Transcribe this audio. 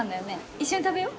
一緒に食べよう。